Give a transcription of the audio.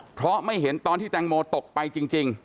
เพราะไม่เห็นตอนที่แตงโมตกไปจริง